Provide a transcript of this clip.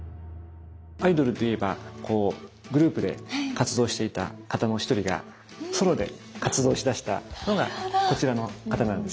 アイドルでいえばグループで活動していた方の一人がソロで活動しだしたのがこちらの方なんですね。